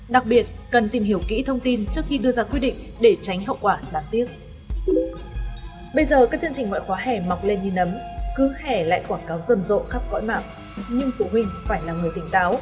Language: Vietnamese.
đặc biệt cần tìm hiểu kỹ thông tin trước khi đưa ra quy định để tránh hậu quả đáng tiếc